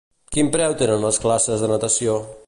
Quin preu tenen les classes de natació?